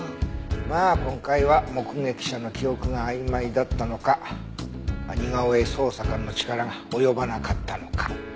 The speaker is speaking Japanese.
まあ今回は目撃者の記憶があいまいだったのか似顔絵捜査官の力が及ばなかったのか。